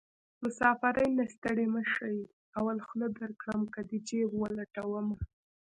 مسافرۍ نه ستړی مشې اول خوله درکړم که دې جېب ولټومه